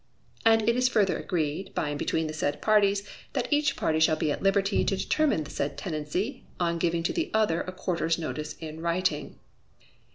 And it is further agreed, by and between the said parties, that each party shall be at liberty to determine the said tenancy, on giving to the other a quarter's notice in writing.